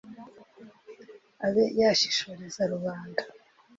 abe yashishoreza rubanda!